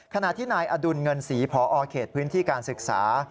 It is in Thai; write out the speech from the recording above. ขณะที่นายอดุลเงินศรีพอเขตพื้นที่การศึกษา